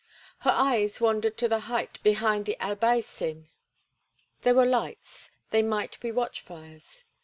Her eyes wandered to the height behind the Albaicin. There were lights; they might be watch fires.